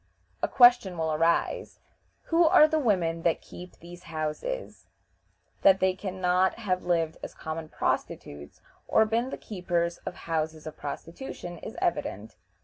A question will arise: "Who are the women that keep these houses?" That they can not have lived as common prostitutes, or been the keepers of houses of prostitution, is evident.